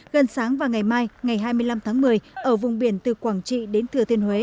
gần sáng và ngày mai ngày hai mươi năm tháng một mươi ở vùng biển từ quảng trị đến thừa thiên huế